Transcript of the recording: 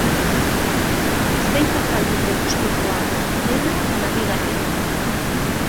Zein atal dute gustukoago, lehena ala bigarrena?